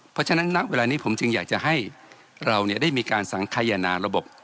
เพราะฉะนั้นณเวลานี้ผมจึงอยากจะให้เราได้มีการสังขยนาระบบ